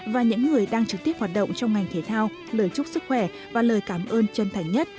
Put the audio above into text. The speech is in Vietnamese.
và những người đang trực tiếp hoạt động trong ngành thể thao lời chúc sức khỏe và lời cảm ơn chân thành nhất